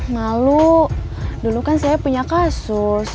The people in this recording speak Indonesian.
malu dulu kan saya punya kasus